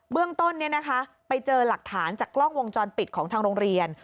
เรื่องต้นไปเจอหลักฐานจากกล้องวงจรปิดของทางโรงเรียน